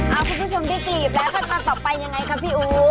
เอ้าคุณผู้ชมพี่กลีบแล้วต่อไปยังไงครับพี่อู๋